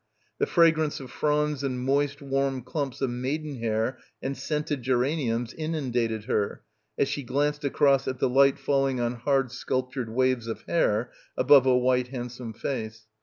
The fragrance of fronds and moist warm clumps of maidenhair and scented geraniums inundated her as she glanced across at the light falling on hard sculp tured waves of hair above a white handsome face.